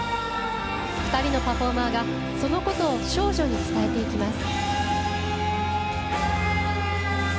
２人のパフォーマーがそのことを少女に伝えていきます。